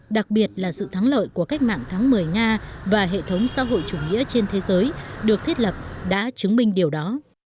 đặc biệt là sự thắng lợi của cách mạng tháng một mươi nga và hệ thống xã hội chủ nghĩa trên thế giới được thiết lập đã chứng minh điều đó